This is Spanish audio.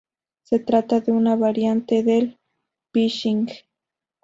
Se trata de una variante del "phishing".